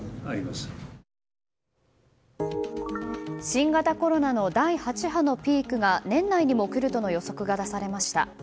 新型コロナの第８波のピークが年内にも来るとの予測が出されました。